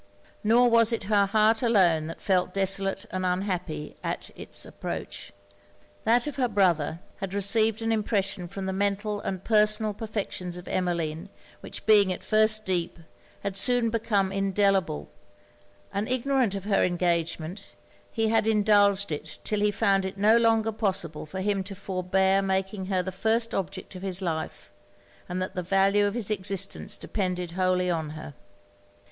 Nor was it her heart alone that felt desolate and unhappy at it's approach That of her brother, had received an impression from the mental and personal perfections of Emmeline, which being at first deep, had soon become indelible; and ignorant of her engagement, he had indulged it till he found it no longer possible for him to forbear making her the first object of his life, and that the value of his existence depended wholly on her.